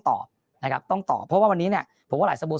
ตอบนะครับต้องตอบเพราะว่าวันนี้เนี่ยเพราะว่าหลายสมบูรณ์